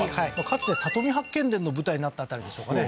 かつて里見八舞台になった辺りでしょうかね